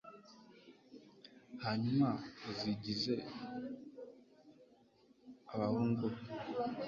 hanyuma uzigize abahungu be